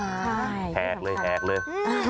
แฮกเลยแฮกเลย